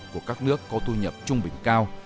của các nước có thu nhập trung bình cao